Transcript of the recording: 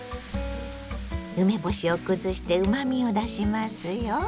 梅干しを崩してうまみを出しますよ。